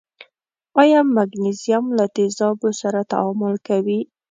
آیا مګنیزیم له تیزابو سره تعامل کوي؟